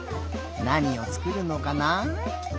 なにをつくるのかな？